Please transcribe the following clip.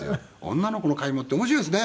女の子の買い物って面白いですね。